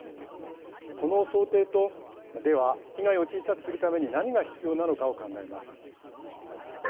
この想定とでは被害を小さくするために何が必要なのかを考えます。